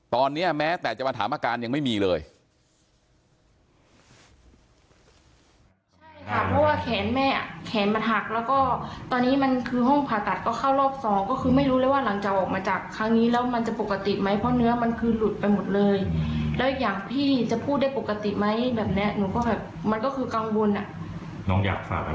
ตอนนี้แม้แต่จะมาถามอาการยังไม่มีเลย